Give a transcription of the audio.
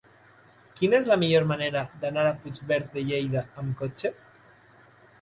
Quina és la millor manera d'anar a Puigverd de Lleida amb cotxe?